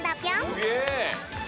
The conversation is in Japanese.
すげえ！